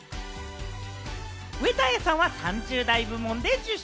上戸彩さんは３０代部門で受賞。